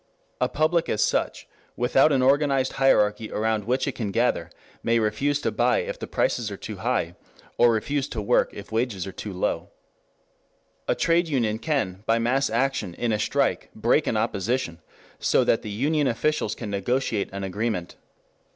A public as such, without an organized hierarchy around which it can gather, may refuse to buy if the prices are too high, or refuse to work if wages are too low. A trade union can by mass action in a strike break an opposition so that the union officials can negotiate an agreement.